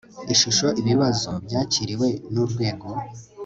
ishusho ibibazo byakiriwe n urwego